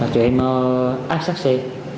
tụi em áp sát xe